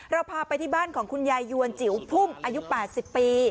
เราพาไปที่บ้านของคุณยายยวนจิ๋วพุ่มอายุ๘๐ปี